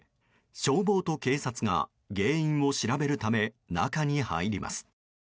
消防と警察が原因を調べるため中に入ります。